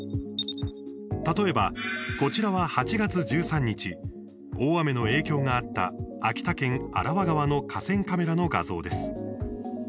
例えば、こちらは８月１３日大雨の影響があった秋田県新波川の河川カメラの画像です。